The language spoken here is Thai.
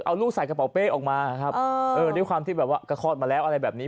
เอาลูกใส่กระเป๋าเป้ออกมาด้วยความที่กระคอดมาแล้วอะไรแบบนี้